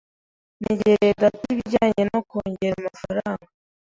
Negereye data ibijyanye no kongera amafaranga.